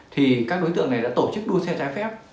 thì các đối tượng này đã tổ chức đua xe trái phép